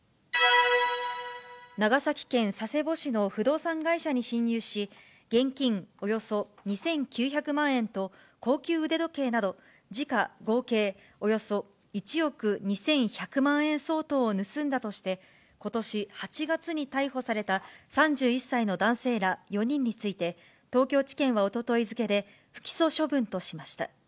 長崎県佐世保市の不動産会社に侵入し、現金およそ２９００万円と高級腕時計など、時価合計およそ１億２１００万円相当を盗んだとして、ことし８月に逮捕された３１歳の男性ら４人について、東京地検はおととい付けで不起訴処分としました。